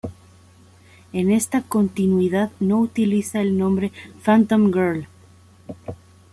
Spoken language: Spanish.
En esta continuidad no utiliza el nombre "Phantom Girl".